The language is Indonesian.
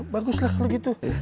baguslah kalau gitu